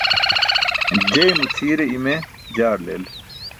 Jeymo cʰii̇re i̇me jaar leel.